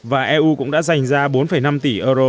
và eu cũng đã dành ra bốn năm tỷ euro